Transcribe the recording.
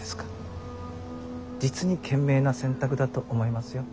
実に賢明な選択だと思いますよ。